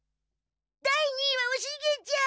第二位はおシゲちゃん」。